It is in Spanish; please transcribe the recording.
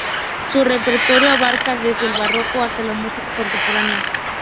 Su repertorio abarca desde el barroco hasta la música contemporánea.